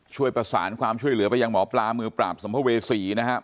ช่วยประสานความช่วยเหลือไปยังหมอปลามือปราบสัมภเวษีนะครับ